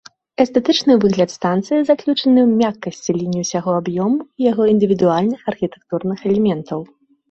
Эстэтычны выгляд станцыі заключаны ў мяккасці ліній усяго аб'ёму і яго індывідуальных архітэктурных элементаў.